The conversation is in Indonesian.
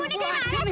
aduh di mana